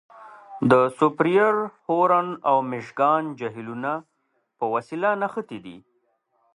د سوپریر، هورن او میشګان جهیلونه په وسیله نښتي دي.